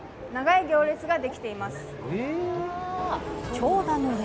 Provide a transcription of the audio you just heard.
長蛇の列。